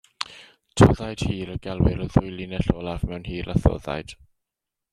Toddaid hir y gelwir y ddwy linell olaf mewn hir a thoddaid.